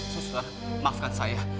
suster maafkan saya